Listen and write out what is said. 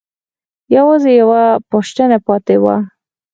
يوازې يوه پوښتنه پاتې وه.